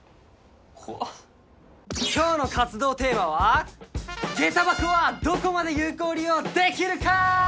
怖っ今日の活動テーマは下駄箱はどこまで有効利用できるかー！